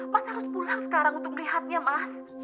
mas harus pulang sekarang untuk melihatnya mas